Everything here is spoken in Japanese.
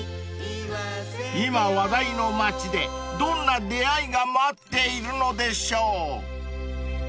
［今話題の街でどんな出会いが待っているのでしょう］